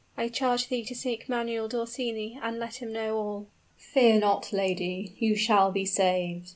I charge thee to seek Manuel d'Orsini, and let him know all." "Fear not, lady; you shall be saved!"